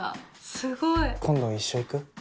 すごい！今度一緒行く？